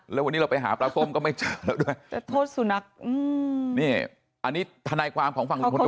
แล้ววันนี้เราไปหาปลาส้มก็ไม่เจอแล้วด้วยโทษสุนัขอันนี้ธนายความของฝั่งลงทุนเขาบอก